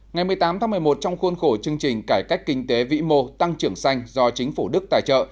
ngày một mươi tám tháng một mươi một trong khuôn khổ chương trình cải cách kinh tế vĩ mô tăng trưởng xanh do chính phủ đức tài trợ